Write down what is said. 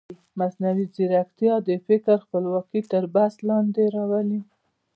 مصنوعي ځیرکتیا د فکر خپلواکي تر بحث لاندې راولي.